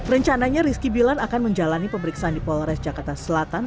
rencananya rizky bilan akan menjalani pemeriksaan di polres jakarta selatan